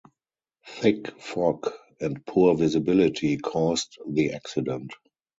Thick fog and poor visibility caused the accident.